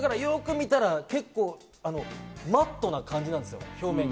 よく見たらマットな感じなんですよ、表面が。